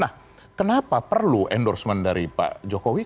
nah kenapa perlu endorsement dari pak jokowi